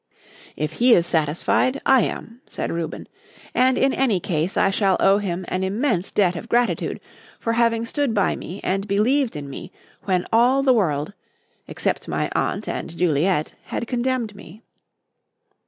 "If he is satisfied, I am," said Reuben, "and, in any case, I shall owe him an immense debt of gratitude for having stood by me and believed in me when all the world except my aunt and Juliet had condemned me."